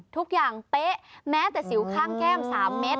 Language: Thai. ทุกอย่างเป๊ะแม้แต่สิวข้างแก้ม๓เมตรก็เหมือน